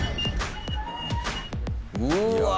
うわ！